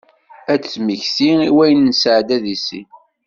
Ad temmekti i wayen i nesɛedda d issin.